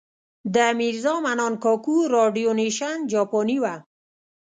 د میرزا منان کاکو راډیو نېشن جاپانۍ وه.